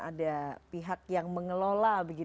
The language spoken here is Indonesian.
ada pihak yang mengelola